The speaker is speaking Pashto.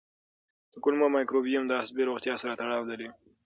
د کولمو مایکروبیوم د عصبي روغتیا سره تړاو لري.